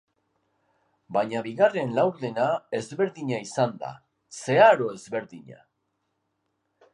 Baina bigarren laurdena ezberdina izan da, zeharo ezberdina.